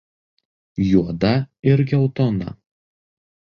Juoda ir geltona.